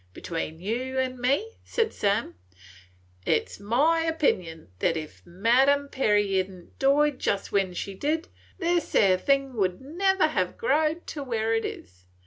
Between you and me," said Sam, "it 's my opinion that ef Ma'am Perry hed n't died jest when she did, this 'ere thing would never ha' growed to where 't is.